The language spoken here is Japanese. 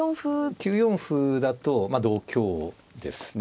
９四歩だとまあ同香ですね。